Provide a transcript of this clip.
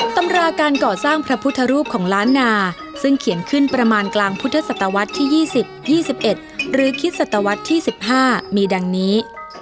ตำราการก่อสร้างพระพุทธรูปของล้านนาซึ่งเขียนขึ้นประมาณกลางพุทธศตวรรษที่๒๐๒๑หรือคิดศตวรรษที่๑๕มีดังนี้